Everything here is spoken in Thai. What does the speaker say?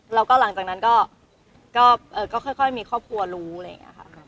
แล้วก็หลังจากนั้นก็ค่อยมีครอบครัวรู้อะไรอย่างนี้ค่ะ